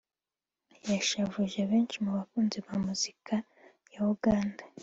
yashavuje benshi mu bakunzi ba muzika ya Uganda